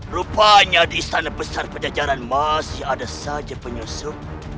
rupanya di istana besar pejajaran masih ada saja penyusup